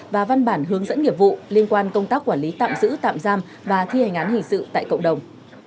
và văn bản hướng dẫn nghiệp vụ liên quan công tác quản lý tạm giữ tạm giam và thi hành án hình sự tại cộng đồng